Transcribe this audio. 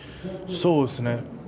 そうですね